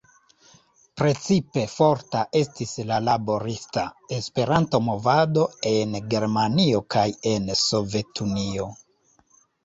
Precipe forta estis la laborista Esperanto-movado en Germanio kaj en Sovetunio.